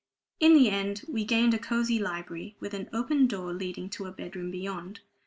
In the end we gained a cosey library, with an open door leading to a bedroom beyond.